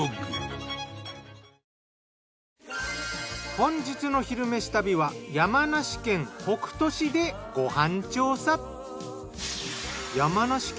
本日の「昼めし旅」は山梨県北杜市でご飯調査。